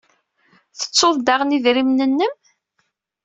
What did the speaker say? Tettuḍ daɣen idrimen-nnem?